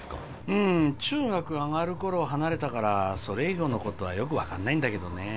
うん中学上がる頃離れたからそれ以降のことはよく分かんないんだけどね